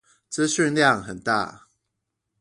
資訊量很大